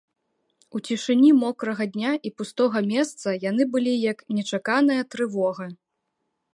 У цішыні мокрага дня і пустога месца яны былі як нечаканая трывога.